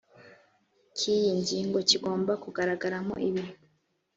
k iyi ngingo kigomba kugaragaramo ibi